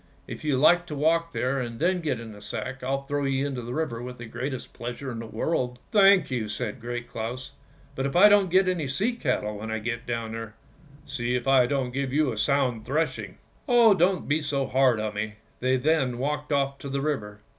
If you like to walk there and then get into the sack, I'll throw you into the river with the greatest pleasure in the world." " Thank you," said Great Claus; " but if I don't get any sea cattle when I get down there, see if I don't give you a sound thrashing." " Oh! don't be so hard on me." They then walked off to the river.